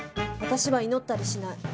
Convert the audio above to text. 私は祈ったりしない。